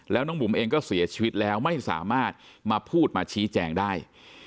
แล้วน้องบุ๋มเองก็เสียชีวิตแล้วไม่สามารถมาพูดมาชี้แจงได้